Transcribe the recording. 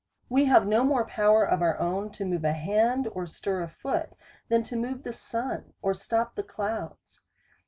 We have no more power of our own to move a hand, or stir a foot, than to move the sun, or stop the clouds.